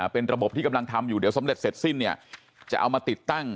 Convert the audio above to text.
เป็นระบบที่กำลังทำอยู่เดี๋ยวสำเร็จเสร็จสิ้นเนี่ยจะเอามาติดตั้ง